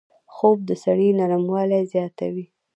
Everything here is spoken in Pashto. خوب د سړي نرموالی زیاتوي